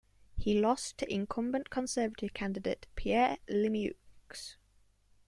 He lost to incumbent Conservative candidate Pierre Lemieux.